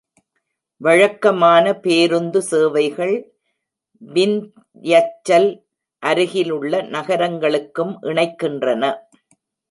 வழக்கமான பேருந்து சேவைகள் விந்த்யச்சல் அருகிலுள்ள நகரங்களுக்கும் இணைக்கின்றன.